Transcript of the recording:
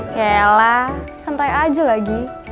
yaelah sentai aja lagi